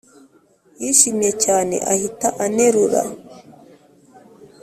yishimye cyane ahita anerura